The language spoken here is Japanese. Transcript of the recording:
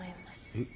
えっ？